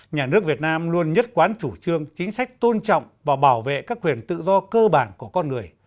nhà nước việt nam luôn nhất quán chủ trương chính sách tôn trọng và bảo vệ các quyền tự do cơ bản của con người